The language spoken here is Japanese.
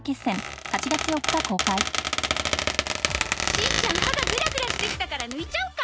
しんちゃん歯がグラグラしてきたから抜いちゃおうか